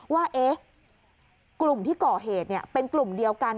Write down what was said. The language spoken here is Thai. ว่ากลุ่มที่ก่อเหตุเป็นกลุ่มเดียวกัน